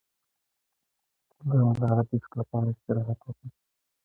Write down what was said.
د ملا د ډیسک لپاره استراحت وکړئ